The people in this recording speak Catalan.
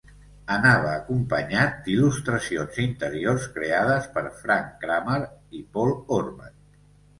Anava acompanyat d'il·lustracions interiors creades per Frank Kramer i Paul Orban.